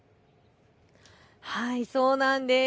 そうなんです。